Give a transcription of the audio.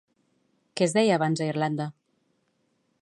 Què es deia abans a Irlanda?